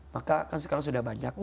maka kan sekarang sudah banyak